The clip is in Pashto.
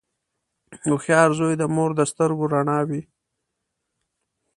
• هوښیار زوی د مور د سترګو رڼا وي.